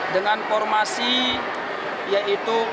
dengan formasi yaitu formasi